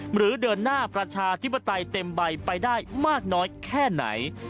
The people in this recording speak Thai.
หรือเดินหน้าประชาธิปไตยเต็มใบไปได้มากน้อยแค่ไหน